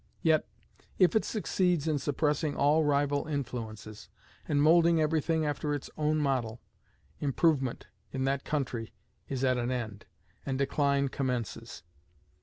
Yet, if it succeeds in suppressing all rival influences, and moulding every thing after its own model, improvement, in that country, is at an end, and decline commences.